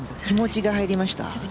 気持ちが入りましたか？